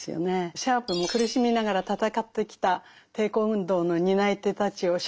シャープも苦しみながら闘ってきた抵抗運動の担い手たちを称賛しています。